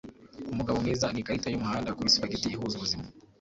umugabo mwiza ni ikarita yumuhanda kuri spaghetti ihuza ubuzima